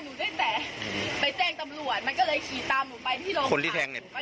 หนูได้แตะไปแจ้งตำรวจมันก็เลยขี่ตามหนูไปที่โรงพยาบาล